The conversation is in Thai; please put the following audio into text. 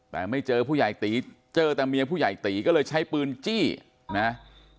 แต่ไม่เจอผู้ใหญ่ตีเจอแต่เมียผู้ใหญ่ตีก็เลยใช้ปืนจี้นะ